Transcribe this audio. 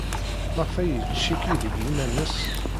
Maɣef ay yettcikki deg yiman-nnes?